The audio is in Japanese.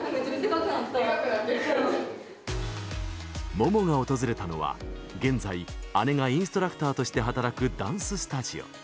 ＭＯＭＯが訪れたのは、現在姉がインストラクターとして働くダンススタジオ。